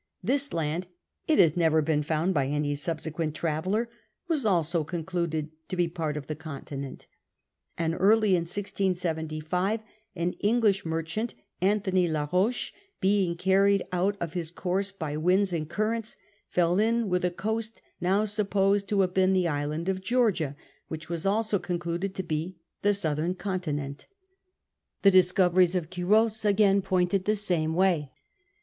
This land — it has never been found by any subsequent traveller — was also concluded to be part of the continent : and early in 1675 an English merchant^ Anthony La Roche, being carried out of his course by winds and currents, fell in with a coast now supposed to have been the island of Georgia, which was also concluded to be the southern continent. The discoveries of Quiros again pointed the same way.